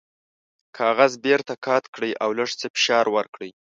کاغذ بیرته قات کړئ او لږ څه فشار ورکړئ.